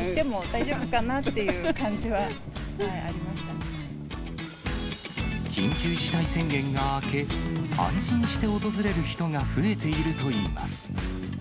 行っても大丈夫かなっていう緊急事態宣言が明け、安心して訪れる人が増えているといいます。